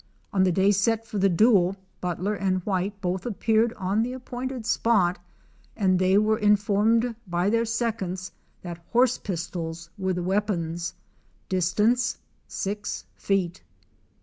On the day set for the duel Butler and White both appeared on the appointed spot and 249 they were informed by their seconds that horse pistols were the wea pons— distance six feet.